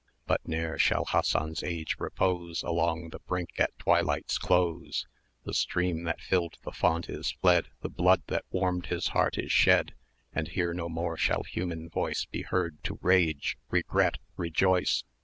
But ne'er shall Hassan's Age repose Along the brink at Twilight's close: The stream that filled that font is fled The blood that warmed his heart is shed![df] And here no more shall human voice 320 Be heard to rage, regret, rejoice.